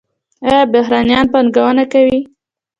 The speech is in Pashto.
آیا بهرنیان پانګونه کوي؟